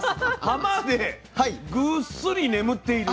浜でぐっすり眠っている。